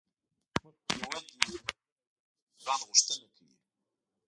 مخ پر ودې هیوادونه د ځانګړي چلند غوښتنه کوي